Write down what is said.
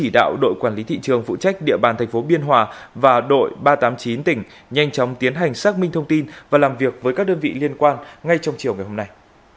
đội quản lý thị trường phụ trách địa bàn thành phố biên hòa và đội ba trăm tám mươi chín tỉnh nhanh chóng tiến hành xác minh thông tin và làm việc với các đơn vị liên quan ngay trong chiều ngày hôm nay